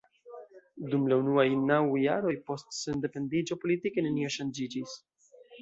Dum la unuaj naŭ jaroj post sendependiĝo politike nenio ŝanĝiĝis.